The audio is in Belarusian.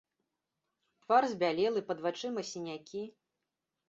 Твар збялелы, пад вачыма сінякі.